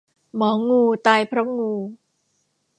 หมองูตายเพราะงู